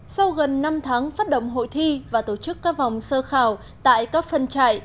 sau gần năm tháng phát động hội thi và tổ chức các vòng sơ khảo tại các phân trại